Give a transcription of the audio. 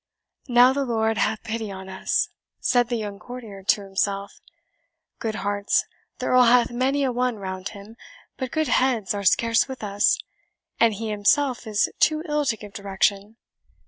"Now the Lord have pity on us!" said the young courtier to himself. "Good hearts, the Earl hath many a one round him; but good heads are scarce with us and he himself is too ill to give direction.